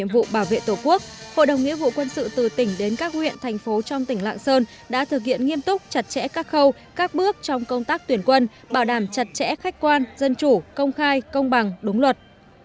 nhiệm vụ bảo vệ tổ quốc hội đồng nghĩa vụ quân sự từ tỉnh đến các huyện thành phố trong tỉnh lạng sơn đã thực hiện nghiêm túc chặt chẽ các khâu các bước trong công tác tuyển quân bảo đảm chặt chẽ khách quan dân chủ công khai công bằng đúng luật